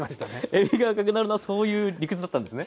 えびが赤くなるのはそういう理屈だったんですね。